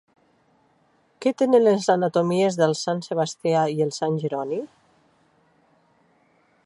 Què tenen les anatomies del Sant Sebastià i el Sant Jeroni?